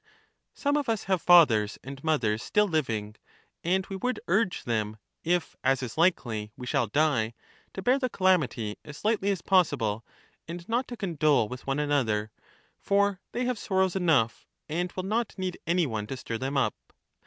1 Some of us have fathers and mothers still living, and we would urge them, if, as is likely, we shall die, to bear the calamity as lightly as possible, and not to condole with one another ; for they have sorrows enough, and will not need any one to stir them up.